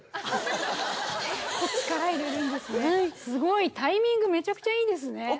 すごいタイミングめちゃくちゃいいですね。